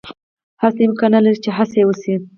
هر څه امکان لری چی هڅه یی وشی